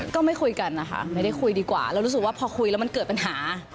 ก็ไม่คุยกันนะคะไม่ได้คุยดีกว่าเรารู้สึกว่าพอคุยแล้วมันเกิดปัญหา